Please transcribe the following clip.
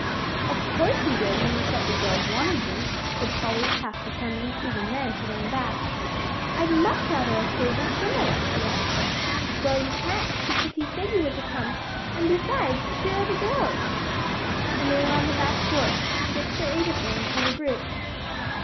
"Of course he did, when you said the girls wanted me," said Polly, half determined, even then, to run back. "I'd much rather have staid with him, Alexia." "Well, you can't, because he said you were to come; and besides, here are the girls." And there they were on the back porch, six or eight of them in a group.